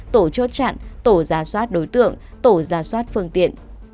tổ chốt chặn tổ giá soát đối tượng tổ giá soát phương tiện